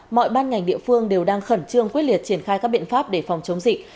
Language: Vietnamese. mọi ban ngành địa phương đều đang khẩn trương quyết liệt triển khai các biện pháp để phòng chống dịch